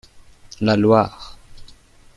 La Loire.